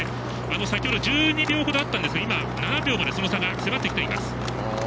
先程１２秒ほどあったんですが７秒まで差が迫ってきています。